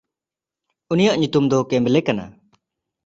ᱩᱱᱤᱭᱟᱜ ᱧᱩᱛᱩᱢ ᱫᱚ ᱠᱮᱢᱵᱞᱮ ᱠᱟᱱᱟ᱾